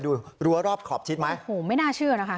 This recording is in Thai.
รั้วรอบขอบชิดไหมโอ้โหไม่น่าเชื่อนะคะ